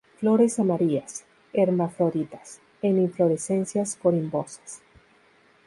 Flores amarillas, hermafroditas, en inflorescencias corimbosas.